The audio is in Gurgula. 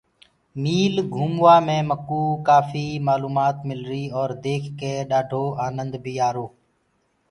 ميٚل گھُموآ مي مڪوُ ڪآڦي مآلومآت مِلر اور ديک ڪي ڏآڊو آنند بي آرو۔